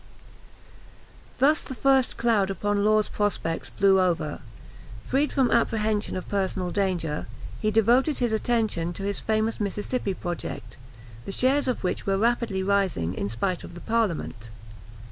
Thus the first cloud upon Law's prospects blew over: freed from apprehension of personal danger, he devoted his attention to his famous Mississippi project, the shares of which were rapidly rising, in spite of the parliament.